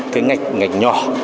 cái ngạch nhỏ